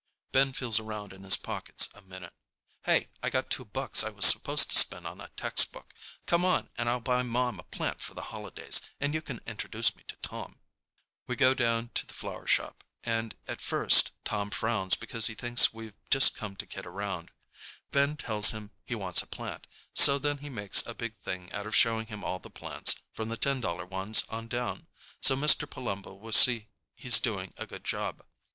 Ben feels around in his pockets a minute. "Hey, I got two bucks I was supposed to spend on a textbook. Come on and I'll buy Mom a plant for the holidays, and you can introduce me to Tom." We go down to the flower shop, and at first Tom frowns because he thinks we've just come to kid around. Ben tells him he wants a plant, so then he makes a big thing out of showing him all the plants, from the ten dollar ones on down, so Mr. Palumbo will see he's doing a good job.